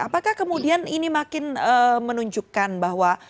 apakah kemudian ini makin menunjukkan bahwa